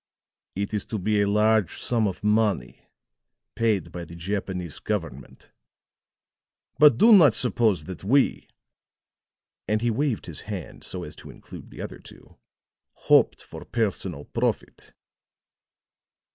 It is to be a large sum of money paid by the Japanese government; but do not suppose that we," and he waved his hand so as to include the other two, "hoped for personal profit."